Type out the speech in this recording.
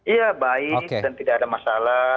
ya baik dan tidak ada masalah